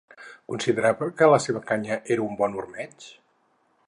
Considerava que la seva canya era un bon ormeig?